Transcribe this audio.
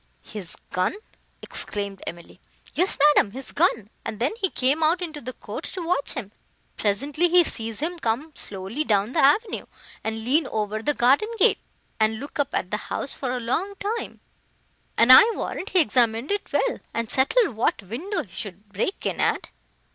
"His gun!" exclaimed Emily. "Yes, madam, his gun; and then he came out into the court to watch him. Presently, he sees him come slowly down the avenue, and lean over the garden gate, and look up at the house for a long time; and I warrant he examined it well, and settled what window he should break in at."